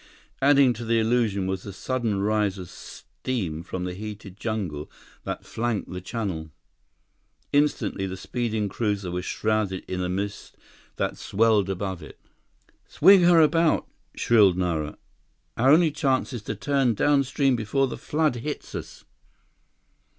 Adding to the illusion was the sudden rise of steam from the heated jungle that flanked the channel. Instantly, the speeding cruiser was shrouded in a mist that swelled above it. "Swing her about!" shrilled Nara. "Our only chance is to turn downstream before the flood hits us!"